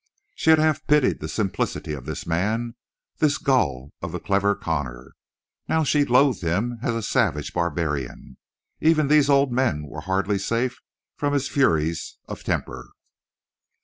She had half pitied the simplicity of this man, this gull of the clever Connor. Now she loathed him as a savage barbarian. Even these old men were hardly safe from his furies of temper.